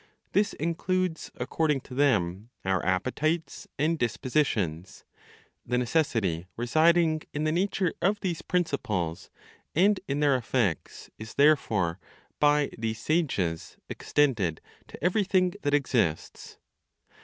This includes, according to them, our appetites and dispositions. The necessity residing in the nature of these principles, and in their effects, is therefore, by these sages, extended to everything that exists.